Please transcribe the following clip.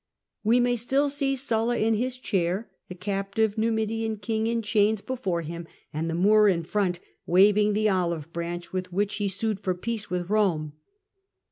We may still see Sulla in his chair, the captive Numidian king in chains before him, and the Moor in front waving the olive branch with which he sued for peace with Eome.